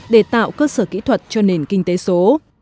để tạo cơ sở kỹ thuật cho nền kinh tế số